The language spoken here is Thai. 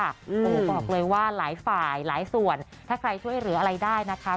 โอ้โหบอกเลยว่าหลายฝ่ายหลายส่วนถ้าใครช่วยเหลืออะไรได้นะคะ